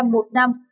bốn tám một năm